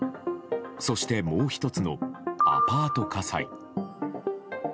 そして、もう１つのアパート火災。